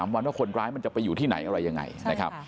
วันว่าคนร้ายมันจะไปอยู่ที่ไหนอะไรยังไงนะครับ